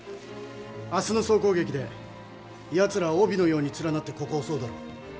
明日の総攻撃でヤツらは帯のように連なってここを襲うだろう。